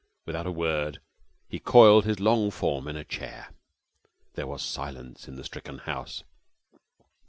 Without a word he coiled his long form in a chair. There was silence in the stricken house.